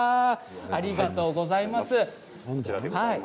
ありがとうございます。